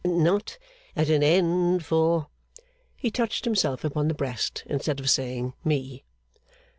Not at an end for ' He touched himself upon the breast, instead of saying 'me.